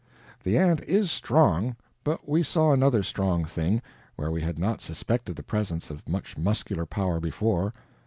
The ant is strong, but we saw another strong thing, where we had not suspected the presence of much muscular power before.